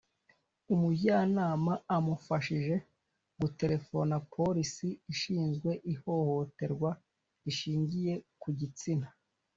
umujyanama amufashije guterefona polisi ishinzwe ihohoterwa rishingiye ku gitsina,